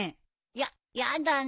やっやだね。